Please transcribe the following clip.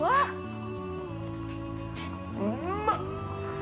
◆うんまっ。